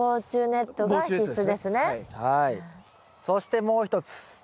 そしてもう一つ。